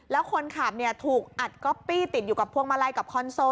แล้วคนขับถูกอัดก๊อปปี้ติดอยู่กับพวงมาลัยกับคอนโซล